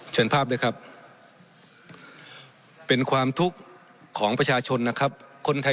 เชิญภาพด้วยครับเป็นความทุกข์ของประชาชนนะครับคนไทย